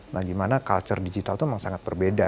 nah gimana culture digital itu memang sangat berbeda